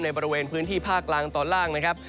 บริเวณพื้นที่ภาคกลางตอนล่างนะครับ